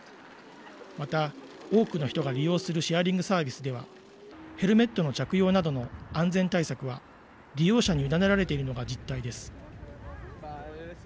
また多くの人が利用するシェアリングサービスでは、ヘルメットの着用などの安全対策は、利用者に委ねられているのが実態です。